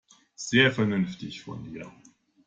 Sehr vernünftig von dir.